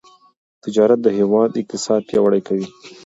تجارت د هیواد اقتصاد پیاوړی کوي.